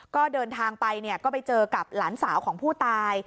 ก็เดินทางไปก็ไปเจอกับหลานสาวของผู้ตาย